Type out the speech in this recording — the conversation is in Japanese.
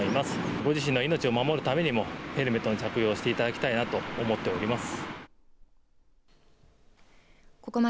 ご自身の命を守るためにもヘルメットの着用をしていただきたいと思っております。